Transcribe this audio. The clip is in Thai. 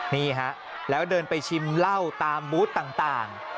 นี่ฮะแล้วเดินไปชิมเหล้าตามบูธต่าง